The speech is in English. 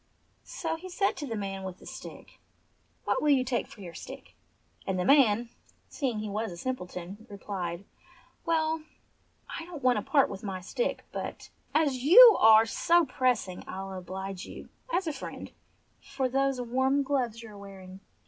So he said to the man with the stick, "What will you take for your stick ?" and the man, seeing he was a sim pleton, replied : "Well, I don't want to part with my stick, but as you are so pressing I'll oblige you, as a friend, for those warm gloves you are wearing."